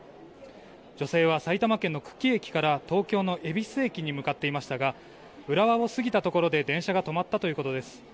女性は埼玉県の久喜駅から東京の恵比寿駅に向かっていましたが浦和を過ぎたところで電車が止まったということです。